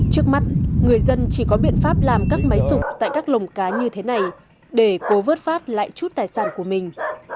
trước mắt người dân chỉ có biện pháp làm các máy xúc tại các lồng cá như thế này để cố vớt phát lại chút tài sản của mình